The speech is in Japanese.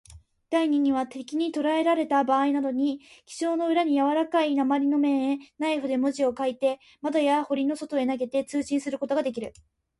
第二には、敵にとらえられたばあいなどに、記章の裏のやわらかい鉛の面へ、ナイフで文字を書いて、窓や塀の外へ投げて、通信することができる。